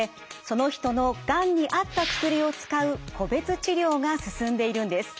その人のがんに合った薬を使う個別治療が進んでいるんです。